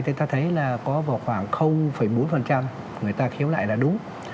thì ta thấy là có vào khoảng bốn người ta khiếu nại là đúng